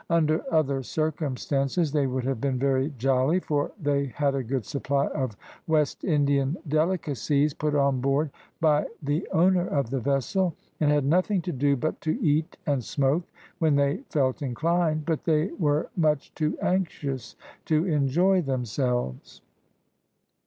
Under other circumstances they would have been very jolly, for they had a good supply of West Indian delicacies, put on board by the owner of the vessel, and had nothing to do but to eat and smoke when they felt inclined; but they were much too anxious to enjoy themselves.